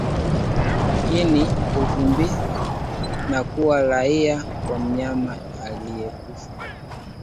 Ini huvimba na kuwa laini kwa mnyama aliyekufa